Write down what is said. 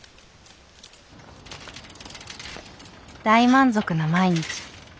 大満足な毎日。